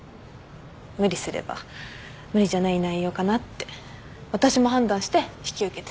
無理すれば無理じゃない内容かなって私も判断して引き受けて。